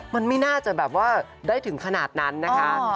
มันไม่น่าจะแบบว่าได้ถึงขนาดนั้นนะคะ